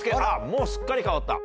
もうすっかり変わった。